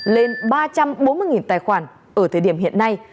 lên ba trăm bốn mươi tài khoản ở thời điểm đầu tháng tám